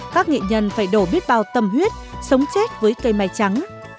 các nghệ nhân phải đổ biết bao tâm huyết sống chết với cây mai trắng